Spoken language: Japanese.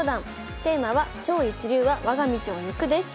テーマは「超一流はわが道を行く」です。